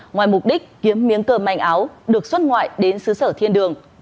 ngoài mục đích kiếm miếng cơm manh áo được xuất ngoại đến xứ sở thiên đường